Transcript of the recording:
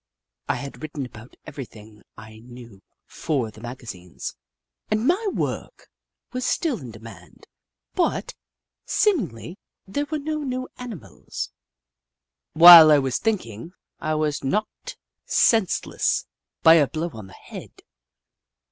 I had written about every thing I knew for the magazines, and my work was still in demand, but, seemingly, there were no new animals. While I was thinking, I was knocked sense less by a blow on the head.